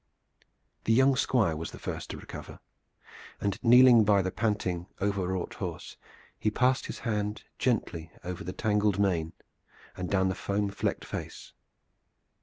The young Squire was the first to recover, and kneeling by the panting, overwrought horse he passed his hand gently over the tangled mane and down the foam flecked face.